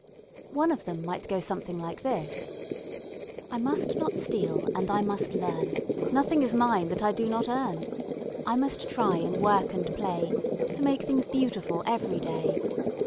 One of them might go something like this: I must not steal, and I must learn Nothing is mine that I do not earn. I must try in work and play To make things beautiful every day.